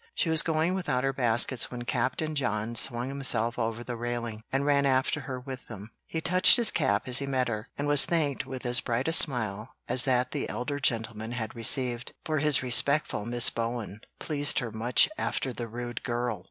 She was going without her baskets when Captain John swung himself over the railing, and ran after her with them. He touched his cap as he met her, and was thanked with as bright a smile as that the elder gentleman had received; for his respectful "Miss Bowen" pleased her much after the rude "Girl!"